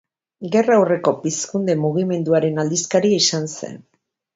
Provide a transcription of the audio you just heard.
Gerra aurreko Pizkunde mugimenduaren aldizkaria izan zen.